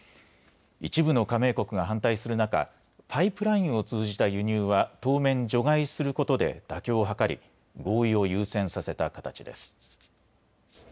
一部の加盟国が反対する中、パイプラインを通じた輸入は当面、除外することで妥協を図り合意を優先させた形です。